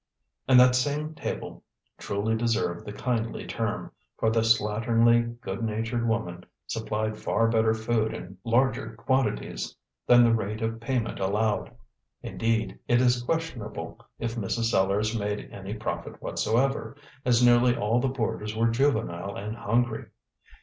And that same table truly deserved the kindly term, for the slatternly, good natured woman supplied far better food in far larger quantities than the rate of payment allowed. Indeed, it is questionable if Mrs. Sellars made any profit whatsoever, as nearly all the boarders were juvenile and hungry.